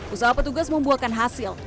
usaha petugas membuahkan hasil